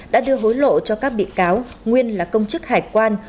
đã đưa hối lộ cho các bị cáo nguyên là công chức hải quan